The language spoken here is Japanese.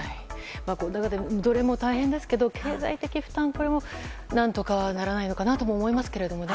この中でどれも大変ですけど経済的負担は何とかならないのかなと思いますけどね。